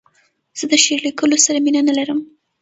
زه د شعر لیکلو سره مینه نه لرم.